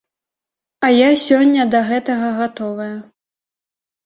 І я сёння да гэтага гатовая.